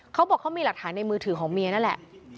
เขาบอกเขามีหลักฐานในมือถือของเมียนั่นแหละ